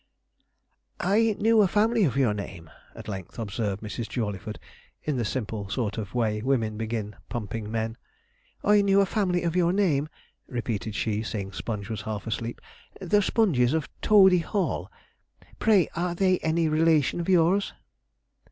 'I knew a family of your name,' at length observed Mrs. Jawleyford, in the simple sort of way women begin pumping men. 'I knew a family of your name,' repeated she, seeing Sponge was half asleep 'the Sponges of Toadey Hall. Pray are they any relation of yours?'